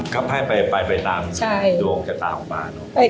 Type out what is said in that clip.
ก็ให้ไปตามดวงชะตาของป่าเนอะ